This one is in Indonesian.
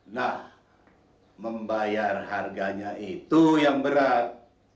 nah membayar harganya itu yang berat